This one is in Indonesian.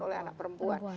oleh anak perempuan